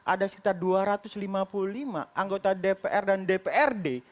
ada sekitar dua ratus lima puluh lima anggota dpr dan dprd